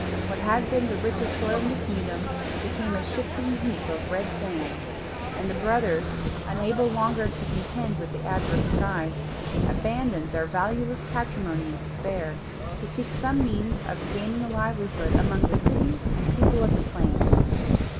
What had once been the richest soil in the kingdom, became a shifting heap of red sand; and the brothers, unable longer to contend with the adverse skies, abandoned their valueless patrimony in despair, to seek some means of gaining a livelihood among the cities and people of the plains.